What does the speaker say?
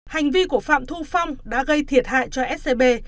hành vi của phạm thu phong đã gây thiệt hại cho scb